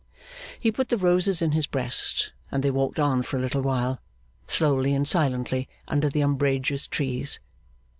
He put the roses in his breast and they walked on for a little while, slowly and silently, under the umbrageous trees.